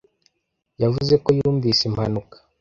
Yavuze ko yumvise impanuka.